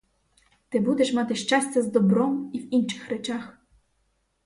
Ти будеш мати щастя з добром і в інших речах.